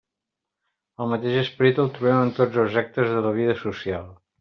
El mateix esperit el trobem en tots els actes de la vida social.